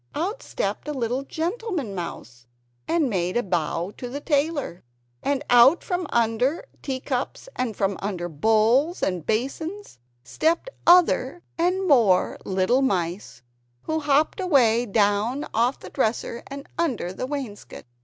Out stepped a little gentleman mouse, and made a bow to the tailor! And out from under tea cups and from under bowls and basins, stepped other and more little mice, who hopped away down off the dresser and under the wainscot.